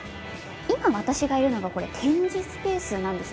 今、私がいるのは展示スペースなんです。